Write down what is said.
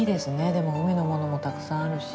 でも、海のものもたくさんあるし。